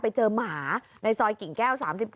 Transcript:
ไปเจอหมาในซอยกิ่งแก้ว๓๗